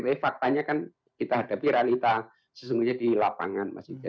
tapi faktanya kan kita hadapi realita sesungguhnya di lapangan mas ida